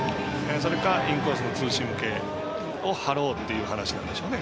それかインコースのツーシーム系を張ろうという形なんでしょうね。